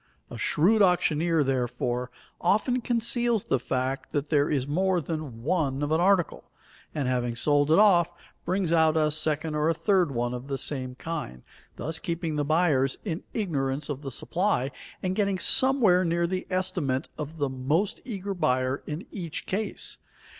A shrewd auctioneer, therefore, often conceals the fact that there is more than one of an article, and having sold it off, brings out a second or a third one of the same kind, thus keeping the buyers in ignorance of the supply and getting somewhere near the estimate of the most eager buyer in each case.